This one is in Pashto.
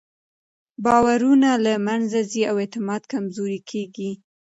باورونه له منځه ځي او اعتماد کمزوری کېږي.